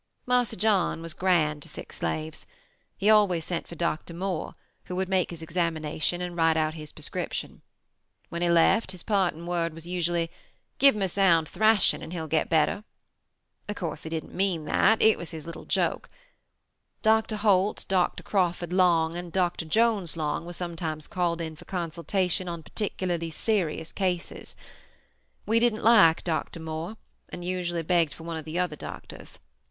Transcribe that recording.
"Marse John was grand to sick slaves. He always sent for Dr. Moore, who would make his examination and write out his prescription. When he left his parting word was usually 'Give him a sound thrashing and he will get better.' Of course he didn't mean that; it was his little joke. Dr. Holt, Dr. Crawford Long, and Dr. Jones Long were sometimes called in for consultation on particularly serious cases. We didn't like Dr. Moore and usually begged for one of the other doctors.